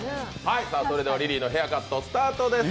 それではリリーのヘアカットスタートです。